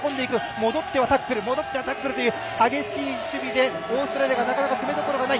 戻ってはタックル戻ってはタックルという激しい守備でオーストラリアがなかなか攻めどころがない。